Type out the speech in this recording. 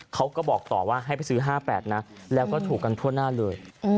เขาก็บอกต่อว่าให้ไปซื้อ๕๘นะแล้วก็ถูกกันทั่วหน้าเลย